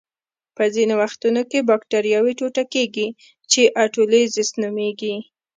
په ځینو وختونو کې بکټریاوې ټوټه کیږي چې اټولیزس نومېږي.